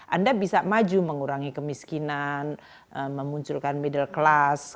anda bisa maju mengurangi kemiskinan memunculkan middle class